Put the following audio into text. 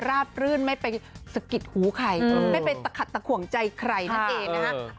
ราบรื่นไม่ไปสะกิดหูใครไม่ไปตะขัดตะขวงใจใครนั่นเองนะฮะ